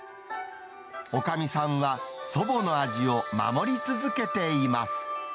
おかみさんは祖母の味を守り続けています。